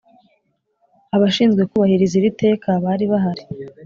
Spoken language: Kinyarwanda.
Abashinzwekubahiriza iri teka bari bahari